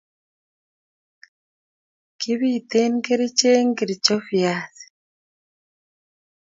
Kipite kerichek ngircho viazi